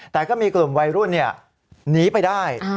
แต่ก็มีกลุ่มวัยรุ่นหนีไปได้